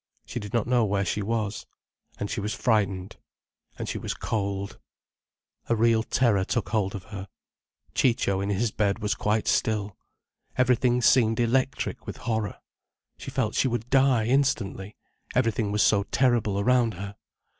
She did not know where she was. And she was frightened. And she was cold. A real terror took hold of her. Ciccio in his bed was quite still. Everything seemed electric with horror. She felt she would die instantly, everything was so terrible around her.